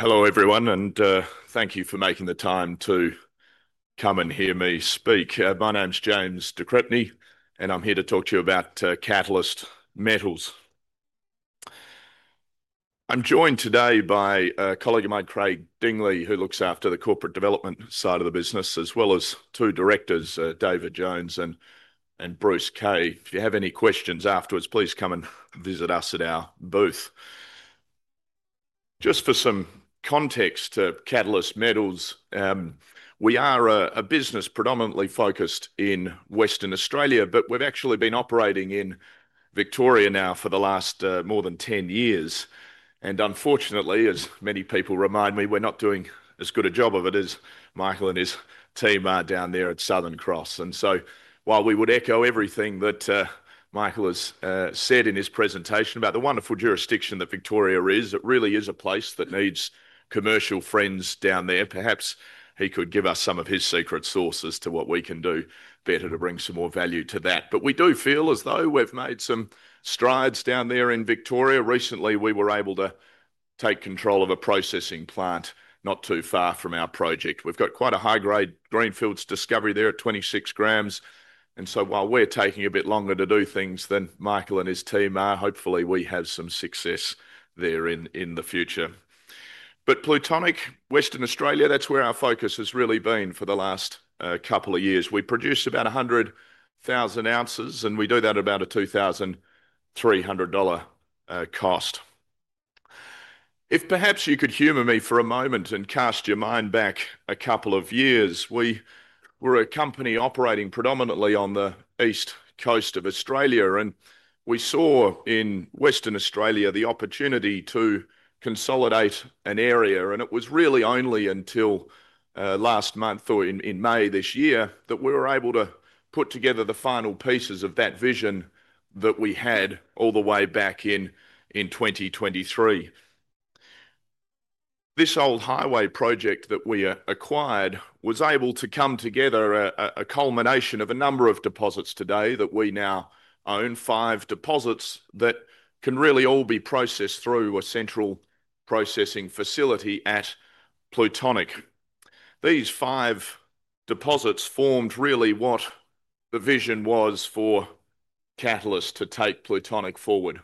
Hello everyone, and thank you for making the time to come and hear me speak. My name's James de Crespigny, and I'm here to talk to you about Catalyst Metals. I'm joined today by a colleague of mine, Craig Dingley, who looks after the Corporate Development side of the business, as well as two Directors, David Jones and Bruce Kay. If you have any questions afterwards, please come and visit us at our booth. Just for some context to Catalyst Metals, we are a business predominantly focused in Western Australia, but we've actually been operating in Victoria now for the last more than 10 years. Unfortunately, as many people remind me, we're not doing as good a job of it as Michael and his team are down there at Southern Cross Gold Ltd. While we would echo everything that Michael has said in his presentation about the wonderful jurisdiction that Victoria is, it really is a place that needs commercial friends down there perhaps. He could give us some of his secret sauce as to what we can do better to bring some more value to that. We do feel as though we've made some strides down there in Victoria. Recently, we were able to take control of a processing plant not too far from our project. We've got quite a high-grade greenfields discovery there at 26g/t. While we're taking a bit longer to do things than Michael and his team are, hopefully we have some success there in the future. Plutonic, Western Australia, that's where our focus has really been for the last couple of years. We produced about 100,000 ounces, and we do that at about a $2,300 cost. If perhaps you could humor me for a moment and cast your mind back a couple of years, we were a company operating predominantly on the east coast of Australia, and we saw in Western Australia the opportunity to consolidate an area. It was really only until last month or in May this year that we were able to put together the final pieces of that vision that we had all the way back in 2023. This Old Highway project that we acquired was able to come together, a culmination of a number of deposits today that we now own, five deposits that can really all be processed through a central processing facility at Plutonic. These five deposits formed really what the vision was for Catalyst to take Plutonic forward.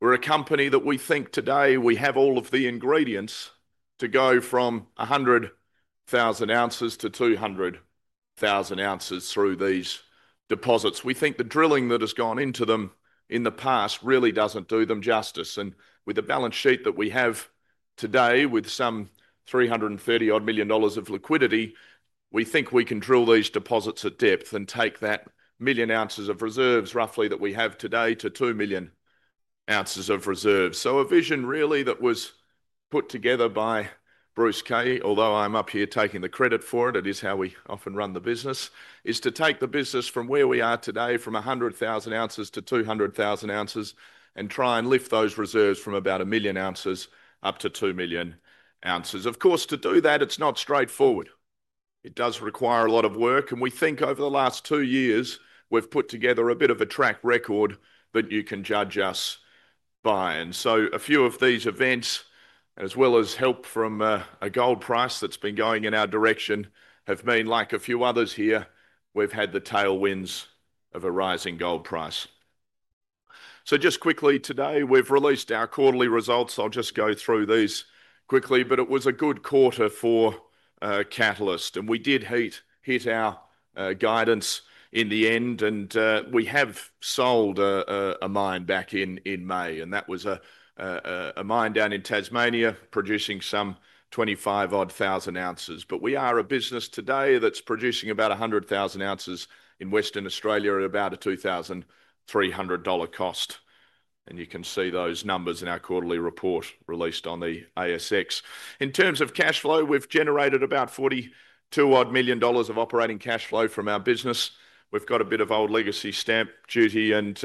We're a company that we think today we have all of the ingredients to go from 100,000 ounces- 200,000 ounces through these deposits. We think the drilling that has gone into them in the past really doesn't do them justice. With the balance sheet that we have today, with some $330 million of liquidity, we think we can drill these deposits at depth and take that million ounces of reserves roughly that we have today to 2 million ounces of reserves. A vision really that was put together by Bruce Kay, although I'm up here taking the credit for it, it is how we often run the business, is to take the business from where we are today, from 100,000 ounces-200,000 ounces, and try and lift those reserves from about a million ounces up to 2 million ounces. Of course, to do that, it's not straightforward. It does require a lot of work, and we think over the last two years we've put together a bit of a track record that you can judge us by. A few of these events, as well as help from a gold price that's been going in our direction, have been like a few others here. We've had the tailwinds of a rising gold price. Just quickly, today we've released our quarterly results. I'll just go through these quickly, but it was a good quarter for Catalyst, and we did hit our guidance in the end. We have sold a mine back in May, and that was a mine down in Tasmania producing some 25,000 odd ounces. We are a business today that's producing about 100,000 ounces in Western Australia at about a $2,300 cost. You can see those numbers in our quarterly report released on the ASX. In terms of cash flow, we've generated about $42 million of operating cash flow from our business. We've got a bit of old legacy stamp duty and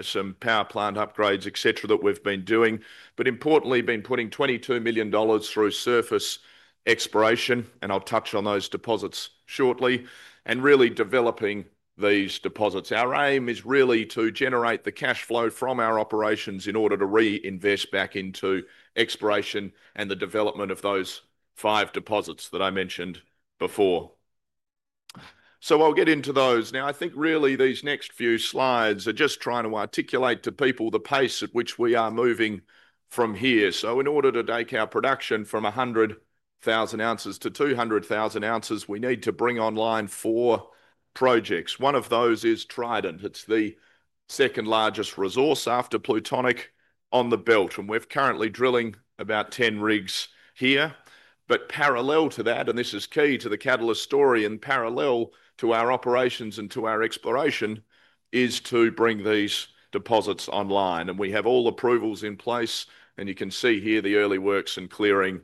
some power plant upgrades, et cetera, that we've been doing. Importantly, we've been putting $22 million through surface exploration, and I'll touch on those deposits shortly, and really developing these deposits. Our aim is really to generate the cash flow from our operations in order to re-invest back into exploration and the development of those five deposits that I mentioned before. I'll get into those. Now, I think really these next few slides are just trying to articulate to people the pace at which we are moving from here. In order to take our production from 100,000 ounces-200,000 ounces, we need to bring online four projects. One of those is Trident it's the second largest resource after Plutonic on the belt, and we're currently drilling about 10 rigs here. Parallel to that, and this is key to the Catalyst story, and parallel to our operations and to our exploration, is to bring these deposits online. We have all approvals in place, and you can see here the early works and clearing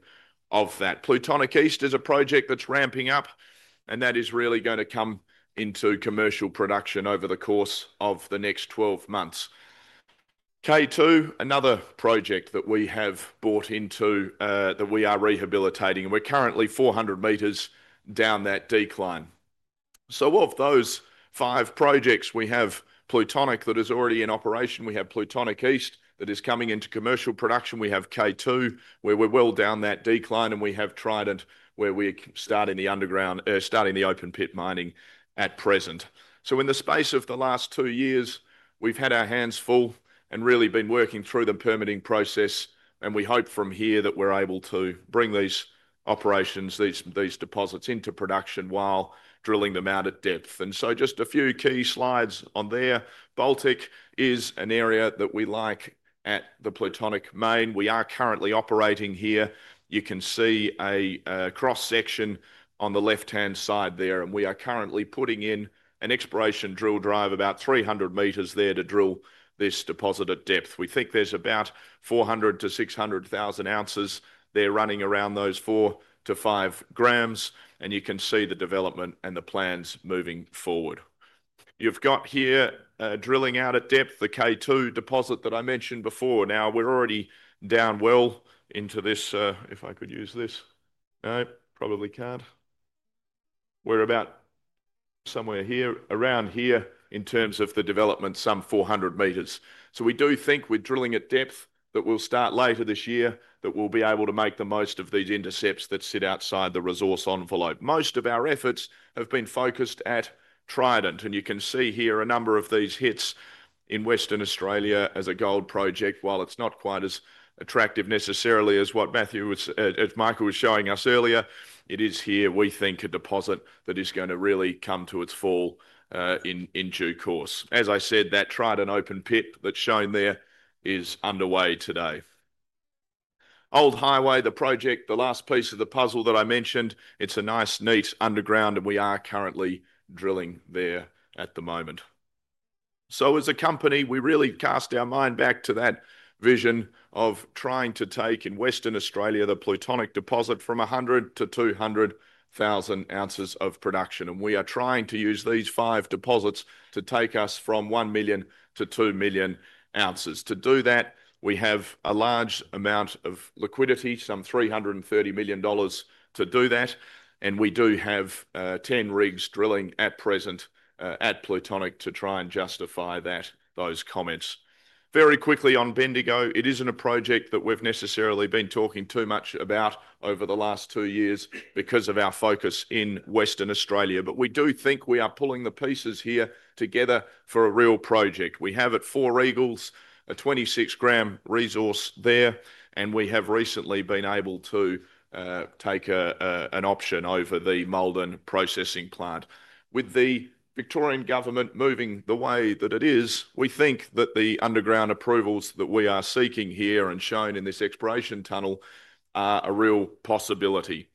of that. Plutonic East is a project that's ramping up, and that is really going to come into commercial production over the course of the next 12 months. K2, another project that we have bought into that we are rehabilitating, and we're currently 400m down that decline. Of those five projects, we have Plutonic that is already in operation. We have Plutonic East that is coming into commercial production. We have K2, where we're well down that decline, and we have Trident, where we're starting the underground, starting the open pit mining at present. In the space of the last two years, we've had our hands full and really been working through the permitting process, and we hope from here that we're able to bring these operations, these deposits into production while drilling them out at depth. Just a few key slides on there. Baltic is an area that we like at the Plutonic main. We are currently operating here. You can see a cross section on the left-hand side there, and we are currently putting in an exploration drill drive about 300m there to drill this deposit at depth. We think there's about 400,000 ounces-600,000 ounces there running around those four grams-five grams, and you can see the development and the plans moving forward. You've got here drilling out at depth the K2 deposit that I mentioned before. Now we're already down well into this. We're about somewhere here, around here in terms of the development, some 400m. We do think we're drilling at depth that will start later this year, that we'll be able to make the most of these intercepts that sit outside the resource envelope. Most of our efforts have been focused at Trident, and you can see here a number of these hits in Western Australia as a gold project. While it's not quite as attractive necessarily as what Michael was showing us earlier, it is here, we think, a deposit that is going to really come to its full in due course. As I said, that Trident open pit that's shown there is underway today. Old Highway, the project, the last piece of the puzzle that I mentioned, it's a nice, neat underground, and we are currently drilling there at the moment. As a company, we really cast our mind back to that vision of trying to take in Western Australia the Plutonic deposit from 100,000 ounces-200,000 ounces of production. We are trying to use these five deposits to take us from 1 million ounces-2 million ounces. To do that, we have a large amount of liquidity, some $330 million to do that, and we do have 10 rigs drilling at present at Plutonic to try and justify those comments. Very quickly on Bendigo, it isn't a project that we've necessarily been talking too much about over the last two years because of our focus in Western Australia, but we do think we are pulling the pieces here together for a real project. We have at Four Eagles a 26 g/t resource there, and we have recently been able to take an option over the Malden processing plant. With the Victorian government moving the way that it is, we think that the underground approvals that we are seeking here and shown in this exploration tunnel are a real possibility.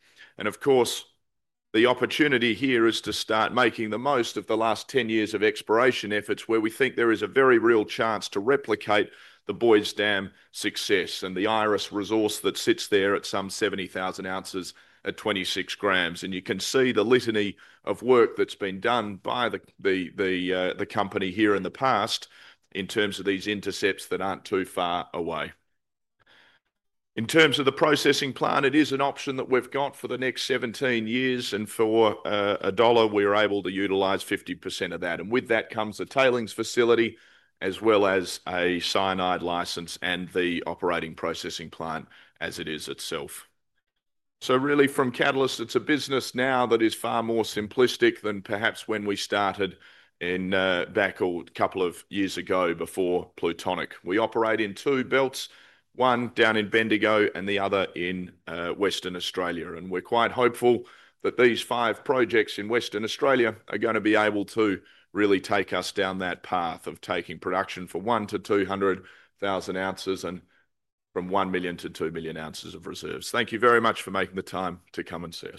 The opportunity here is to start making the most of the last 10 years of exploration efforts where we think there is a very real chance to replicate the Boys Dam success and the Iris resource that sits there at some 70,000 ounces at 26 g/t. You can see the litany of work that's been done by the company here in the past in terms of these intercepts that aren't too far away. In terms of the processing plant, it is an option that we've got for the next 17 years, and for a dollar, we're able to utilize 50% of that. With that comes the tailings facility, as well as a cyanide license and the operating processing plant as it is itself. From Catalyst, it's a business now that is far more simplistic than perhaps when we started back a couple of years ago before Plutonic. We operate in two belts, one down in Bendigo and the other in Western Australia. We're quite hopeful that these five projects in Western Australia are going to be able to really take us down that path of taking production from 100,000 ounces-200,000 ounces and from 1 million ounces-2 million ounces of reserves. Thank you very much for making the time to come and sit.